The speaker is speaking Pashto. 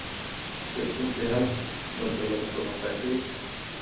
که ستونزې حل سي، نو ټولنه پرمختګ کوي.